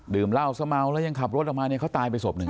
เหล้าซะเมาแล้วยังขับรถออกมาเนี่ยเขาตายไปศพหนึ่ง